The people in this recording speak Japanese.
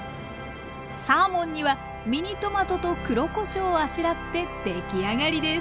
サーモンにはミニトマトと黒こしょうをあしらって出来上がりです